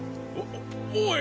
おい！